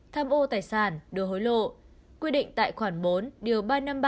tham ô tài sản đưa hối lộ quy định tại khoản bốn điều ba trăm năm mươi ba